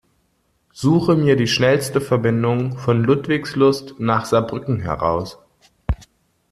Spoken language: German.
Suche mir die schnellste Verbindung von Ludwigslust nach Saarbrücken heraus.